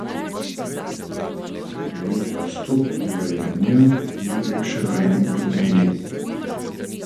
Večkrat ga je poklicala po imenu.